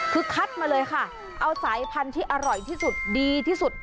คือคัดมาเลยค่ะเอาสายพันธุ์ที่อร่อยที่สุดดีที่สุด